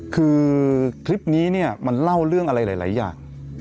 คือคลิปนี้เนี่ยมันเล่าเรื่องอะไรหลายอย่าง